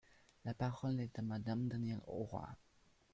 La parole est à Madame Danielle Auroi.